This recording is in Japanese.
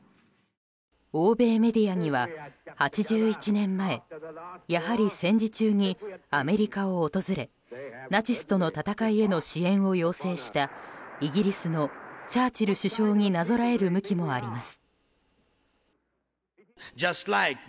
欧米メディアには８１年前、やはり戦時中にアメリカを訪れナチスとの戦いへの支援を要請したイギリスのチャーチル首相になぞらえる向きもあります。